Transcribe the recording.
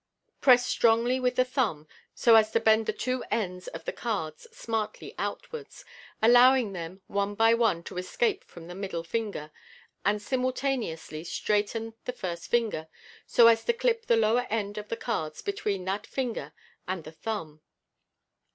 Press strongly with the thumb, so as to bend the two ends of the cards smartly outwards, allowing them one by one to escape from the middle finger, and simultaneously straighten the first finger, so as to clip the lower end of the cards between that finger and the thumb.